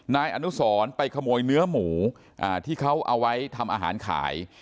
นายอนุสรไปขโมยเนื้อหมูที่เขาเอาไว้ทำอาหารขาย